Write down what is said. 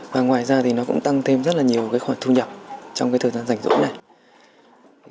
và ngoài ra thì nó cũng tăng thêm rất là nhiều cái khoản thu nhập trong cái thời gian rảnh rỗ này